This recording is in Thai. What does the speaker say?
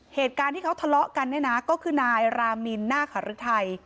เหตุการณ์ที่เขาทะเลาะกันเนี่ยนะก็คือนายรามินนาคฤทัย